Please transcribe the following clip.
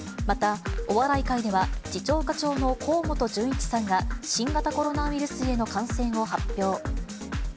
またお笑い界では、次長課長の河本準一さんが新型コロナウイルスへの感染を発表。